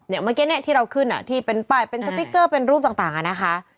เมื่อกี้เนี่ยที่เราขึ้นที่เป็นป้ายเป็นสติ๊กเกอร์เป็นรูปต่างอะนะคะ